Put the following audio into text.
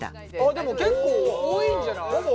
結構多いんじゃない？